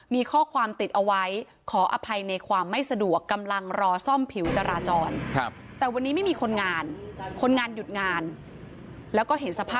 มีข้อความติดเอาไว้ขออภัยในความไม่สะดวกกำลังรอซ่อมผิวชราจร